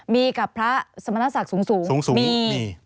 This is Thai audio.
มีกับพระสมณศักดิ์สูงมี